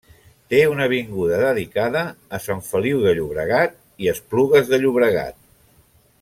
Té una avinguda dedicada a Sant Feliu de Llobregat i Esplugues de Llobregat.